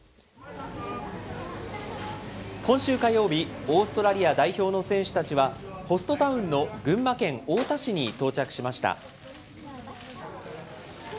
今週火曜日、オーストラリア代表の選手たちは、ホストタウンの群馬県太田市に到着しました。